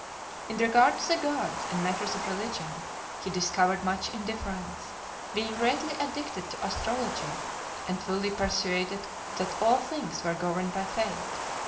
LXIX. In regard to the gods, and matters of religion, he discovered much indifference; being greatly addicted to astrology, and fully persuaded that all things were governed by fate.